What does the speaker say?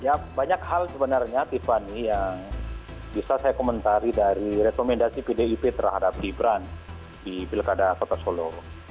ya banyak hal sebenarnya tiffany yang bisa saya komentari dari rekomendasi pdip terhadap gibran di pilkada kota solo